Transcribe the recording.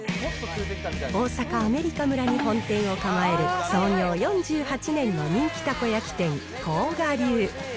大阪・アメリカ村に本店を構える、創業４８年の人気たこ焼き店、甲賀流。